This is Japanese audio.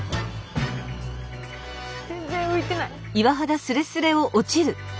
全然浮いてない。